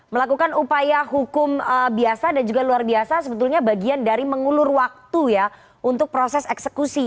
melakukan upaya hukum biasa dan juga luar biasa sebetulnya bagian dari mengulur waktu ya untuk proses eksekusi